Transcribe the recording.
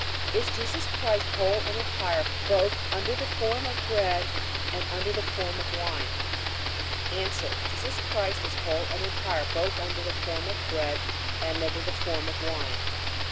Is Jesus Christ whole and entire both under the form of bread and under the form of wine? A. Jesus Christ is whole and entire both under the form of bread and under the form of wine.